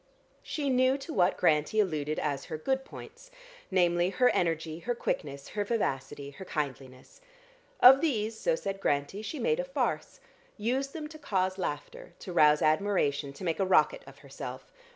She knew to what Grantie alluded as her good points, namely her energy, her quickness, her vivacity, her kindliness. Of these, so said Grantie, she made a farce, used them to cause laughter, to rouse admiration, to make a rocket of herself.